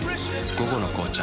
「午後の紅茶」